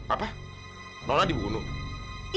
apa nona dibunuh